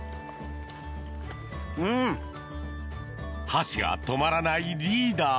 箸が止まらないリーダー。